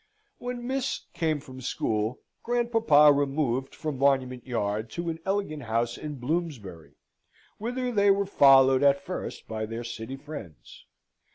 When Miss came from school, grandpapa removed from Monument Yard to an elegant house in Bloomsbury; whither they were followed at first by their city friends.